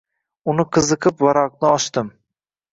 Uni qiziqib varaqni ochdim.